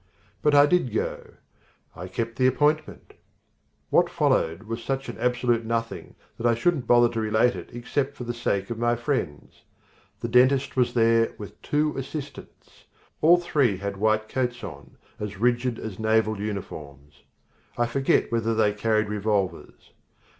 But I did go. I kept the appointment. What followed was such an absolute nothing that I shouldn't bother to relate it except for the sake of my friends. The dentist was there with two assistants. All three had white coats on, as rigid as naval uniforms. I forget whether they carried revolvers.